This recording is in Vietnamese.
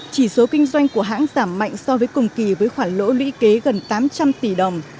chỉ số kinh doanh của hãng giảm mạnh so với cùng kỳ với khoản lỗ lũy kế gần tám trăm linh tỷ đồng